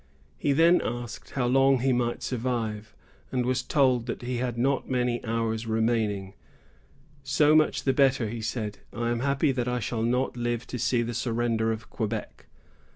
He then asked how long he might survive, and was told that he had not many hours remaining. "So much the better," he said; "I am happy that I shall not live to see the surrender of Quebec."